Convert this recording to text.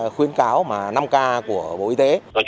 khuyến cáo mà năm k của bộ y tế